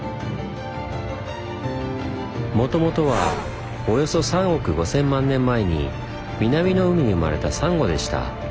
もともとはおよそ３億５，０００万年前に南の海に生まれたサンゴでした。